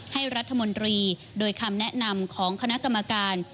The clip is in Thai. ให้รัฐมนตรีโดยคำแนะนำของคณะกรรมการ